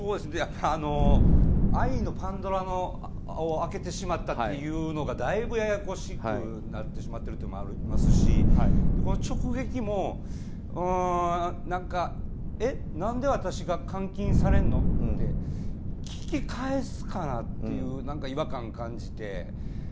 愛のパンドラを開けてしまったっていうのがだいぶややこしくなっているというのもありますし直撃も、えっ、何で私が監禁されるの？って聞き返すかなっていう違和感を感じて。